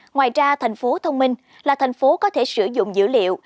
ngoài ra thành phố thông minh là thành phố có thể sử dụng dữ liệu